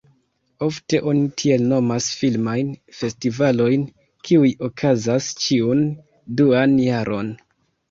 Ofte oni tiel nomas filmajn festivalojn, kiuj okazas ĉiun duan jaron.